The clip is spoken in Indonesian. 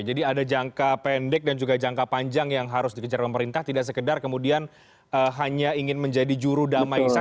jadi ada jangka pendek dan juga jangka panjang yang harus dikejar oleh pemerintah tidak sekedar kemudian hanya ingin menjadi juru damai saja